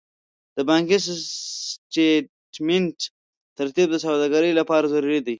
د بانکي سټېټمنټ ترتیب د سوداګرۍ لپاره ضروري دی.